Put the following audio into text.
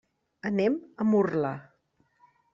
Anem a Murla.